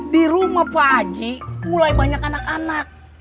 di rumah pak haji mulai banyak anak anak